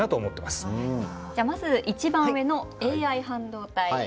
じゃあまず一番上のＡＩ半導体。